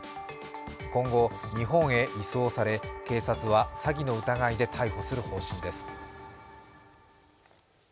今後、日本へ移送され、警察は詐欺の疑いで逮捕する方針です。